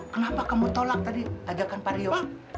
kenapa kamu tolak tadi ajakan pak riu